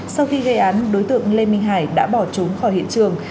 sau khi gây án đối tượng lê minh hải đã bỏ trốn khỏi hiện trường